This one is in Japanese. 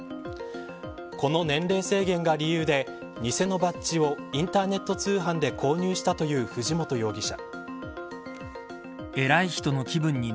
この年齢制限が理由で偽のバッジをインターネット通販で購入したという藤本容疑者。